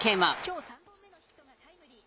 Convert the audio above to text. きょう３本目のヒットがタイムリー。